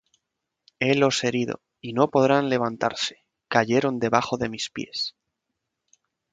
Helos herido, y no podrán levantarse: Cayeron debajo de mis pies.